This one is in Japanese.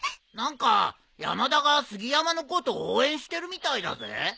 何か山田が杉山のこと応援してるみたいだぜ。